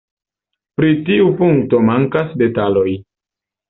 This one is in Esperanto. Pri tiu punkto mankas detaloj.